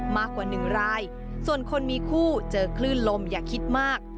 มากกว่าหนึ่งรายส่วนคนมีคู่เจอคลื่นลมอย่าคิดมาก